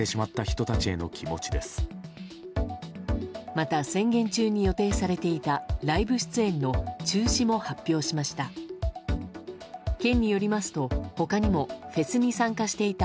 また、宣言中に予定されていたライブ出演の中止も発表しました。